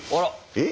えっ？